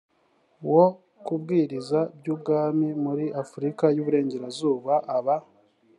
wo kubwiriza iby ubwami muri afurika y iburengerazuba aba